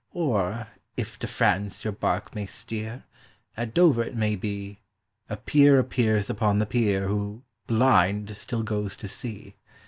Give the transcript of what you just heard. Or, if to France your bark may steer, at Dover it may be, A peer appears upon the pier, who, blind, still goes to sea.